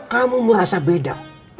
kamu merasa beda